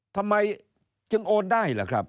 ทำไมจึงโอนได้ล่ะครับ